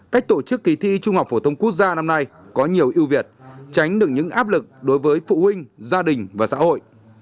cách tổ chức kỳ thi trung học phổ thông quốc gia năm nay có nhiều ưu việt tránh được những áp lực đối với phụ huynh gia đình và xã hội